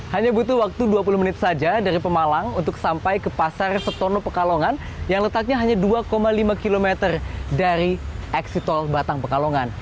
hanya butuh waktu dua puluh menit saja dari pemalang untuk sampai ke pasar setono pekalongan yang letaknya hanya dua lima km dari eksitol batang pekalongan